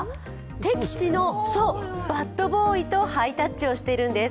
敵地のバットボーイとハイタッチをしているんです。